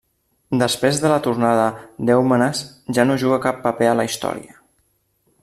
Després de la tornada d'Èumenes ja no juga cap paper a la història.